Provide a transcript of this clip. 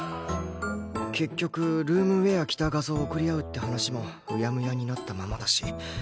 結局ルームウェア着た画像を送り合うって話もうやむやになったままだし